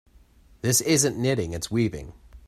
This isn't knitting, its weaving.